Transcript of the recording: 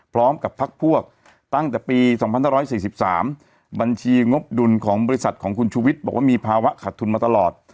พร้อมกับพักพวกตั้งแต่ปี๒๕๔๓บัญชีงบดุลของบริษัทของคุณชูวิทย์บอกว่ามีภาวะขาดทุนมาตลอด